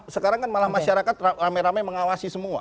sekarang kan malah masyarakat rame rame mengawasi semua